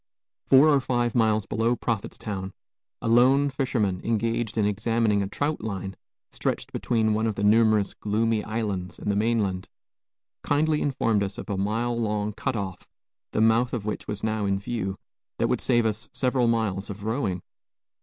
Four or five miles below Prophetstown, a lone fisherman, engaged in examining a "traut line" stretched between one of the numerous gloomy islands and the mainland, kindly informed us of a mile long cut off, the mouth of which was now in view, that would save us several miles of rowing.